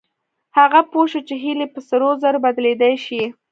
هغه پوه شو چې هيلې په سرو زرو بدلېدلای شي.